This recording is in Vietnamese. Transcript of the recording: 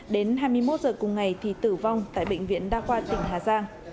đến hai mươi một giờ cùng ngày thì tử vong tại bệnh viện đa khoa tỉnh hà giang